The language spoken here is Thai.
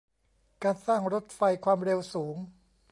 การสร้างรถไฟความเร็วสูง